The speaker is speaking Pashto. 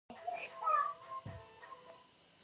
فلم باید د ټولنې د ودې سبب شي